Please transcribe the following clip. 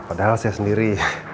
padahal saya sendiri